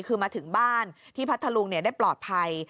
คือมาถึงบ้านที่พัทธลุงได้ปลอดภัย